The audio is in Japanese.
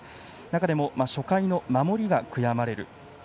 中でも初回の守りが悔やまれる。